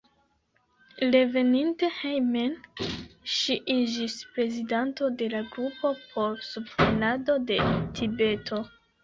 Reveninte hejmen ŝi iĝis prezidanto de la Grupo por Subtenado de Tibeto.